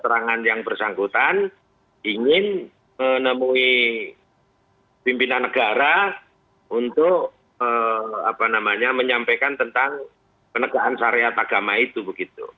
keterangan yang bersangkutan ingin menemui pimpinan negara untuk menyampaikan tentang penegahan syariat agama itu begitu